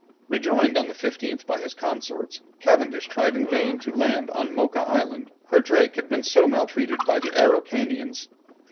Rejoined on the 15th by his consorts, Cavendish tried in vain to land on Mocha Island, where Drake had been so maltreated by the Araucanians.